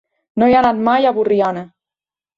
No he anat mai a Borriana.